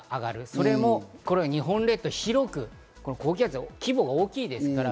それも日本列島を広く、高気圧の規模が大きいですから。